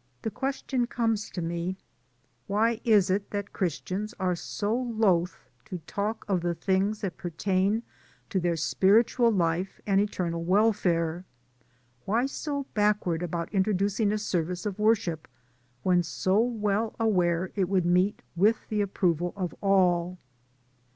'* The question comes to me, Why is it that Christians are so loath to talk of the things that pertain to their spiritual life, and eternal welfare? Why so backward about introdu cing a service of worship, when so well aware it would meet with the approval of all?